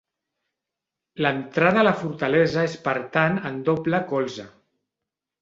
L'entrada a la fortalesa és per tant en doble colze.